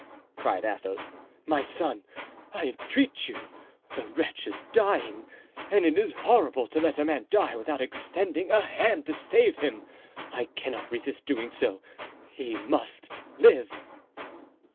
cried Athos, "my son, I entreat you; the wretch is dying, and it is horrible to let a man die without extending a hand to save him. I cannot resist doing so; he must live."